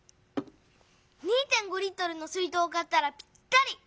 ２．５Ｌの水とうを買ったらぴったり。